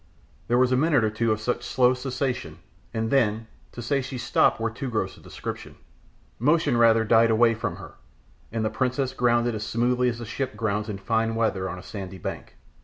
There was a minute or two of such slow cessation, and then to say she stopped were too gross a description. Motion rather died away from her, and the priestess grounded as smoothly as a ship grounds in fine weather on a sandy bank.